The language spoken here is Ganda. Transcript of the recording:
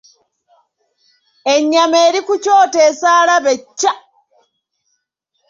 Ennyama eri ku kyoto esaala be cca